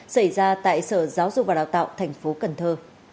xảy ra tại sở giáo dục và đào tạo tp cần thơ